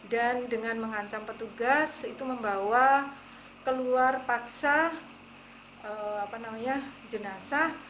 dan dengan mengancam petugas itu membawa keluar paksa jenazah